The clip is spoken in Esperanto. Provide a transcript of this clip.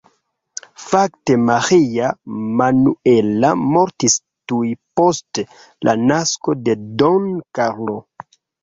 Fakte Maria Manuela mortis tuj post la nasko de Don Karlo.